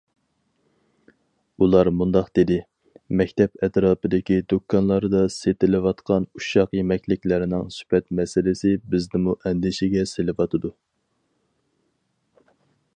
ئۇلار مۇنداق دېدى: مەكتەپ ئەتراپىدىكى دۇكانلاردا سېتىلىۋاتقان ئۇششاق يېمەكلىكلەرنىڭ سۈپەت مەسىلىسى بىزنىمۇ ئەندىشىگە سېلىۋاتىدۇ.